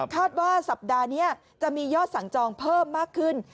ว่าสัปดาห์นี้จะมียอดสั่งจองเพิ่มมากขึ้น